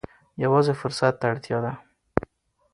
یوازې فرصت ته اړتیا ده.